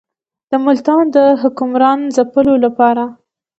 د ملتان د حکمران ځپلو لپاره.